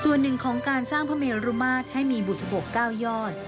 ส่วนหนึ่งของการสร้างพระเมรุมาตรให้มีบุษบก๙ยอด